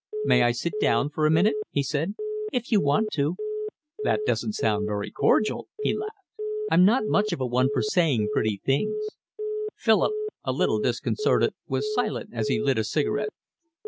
"May I sit down for a minute?" he said. "If you want to." "That doesn't sound very cordial," he laughed. "I'm not much of a one for saying pretty things." Philip, a little disconcerted, was silent as he lit a cigarette.